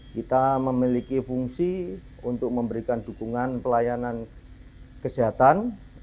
kita memiliki fungsi untuk memberikan dukungan pelayanan kesehatan